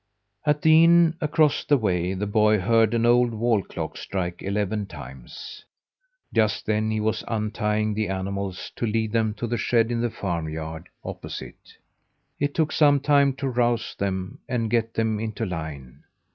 At the inn across the way the boy heard an old wall clock strike eleven times. Just then he was untying the animals to lead them to the shed in the farm yard opposite. It took some time to rouse them and get them into line.